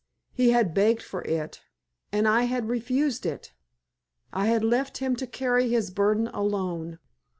He had begged for it, and I had refused it! I had left him to carry his burden alone!